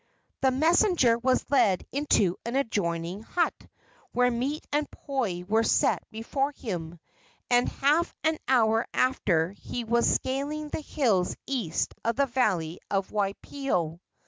The messenger was led into an adjoining hut, where meat and poi were set before him, and half an hour after he was scaling the hills east of the valley of Waipio.